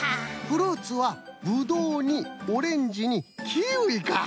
フルーツはぶどうにオレンジにキウイか。